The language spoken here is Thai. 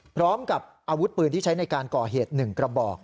พร้อมกับอาวุธปืนที่ใช้ในการก่อเหตุ๑กระบอก